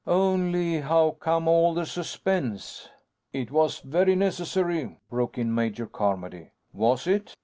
"Only how come all the suspense?" "It was very necessary," broke in Major Carmody. "Was it?